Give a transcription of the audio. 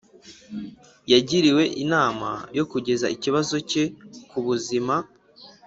Yagiriwe inama yo kugeza ikibazo cye ku buzima